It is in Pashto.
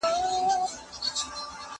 زورولي مي دي خلک په سل ګونو